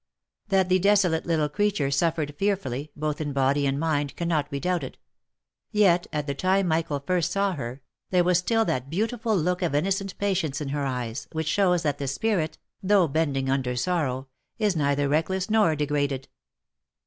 That the desolate little creature suffered fearfully, both in body and mind, cannot be doubted ; yet at the time Michael first saw her, there was still that beautiful look of innocent patience in her eyes, which shows that the spirit, though bending under sorrow, is neither reckless nor degraded.